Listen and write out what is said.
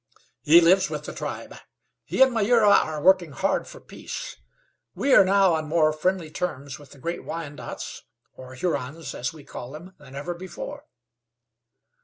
"He lives with the tribe. He and Myeerah are working hard for peace. We are now on more friendly terms with the great Wyandots, or Hurons, as we call them, than ever before."